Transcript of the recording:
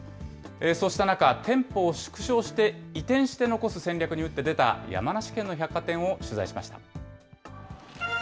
そうした中、店舗を縮小して、移転して残す戦略に打って出た山梨県の百貨店を取材しました。